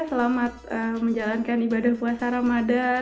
selamat menjalankan ibadah puasa ramadan